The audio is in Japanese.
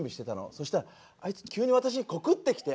そしたらあいつ急に私に告ってきて。